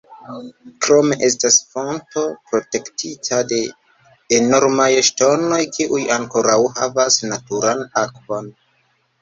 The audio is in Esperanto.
Krome estas fonto protektita de enormaj ŝtonoj, kiuj ankoraŭ havas naturan akvon.